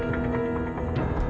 kok diniep kayak gini